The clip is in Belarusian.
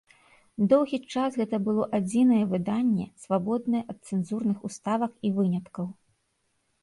Доўгі час гэта было адзінае выданне, свабоднае ад цэнзурных уставак і выняткаў.